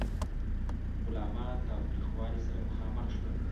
غلامان تاوتریخوالي سره مخامخ شول.